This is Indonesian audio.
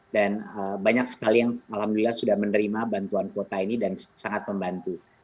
banyak sekali yang alhamdulillah sudah menerima bantuan kuota ini dan sangat membantu